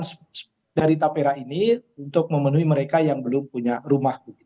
dan itu bisa diambil dari taperra ini untuk memenuhi mereka yang belum punya rumah